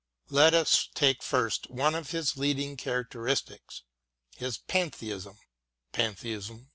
Let us take first one of his leading charac teristics — ^his Pantheism.